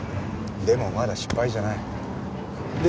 でもまだ失敗じゃない。ですよね！